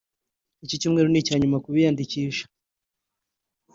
Iki cyumweru ni icya nyuma ku biyandikisha